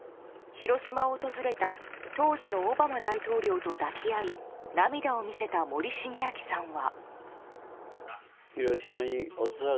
広島を訪れた当時のオバマ大統領と抱き合い涙を見せた森重昭さんは。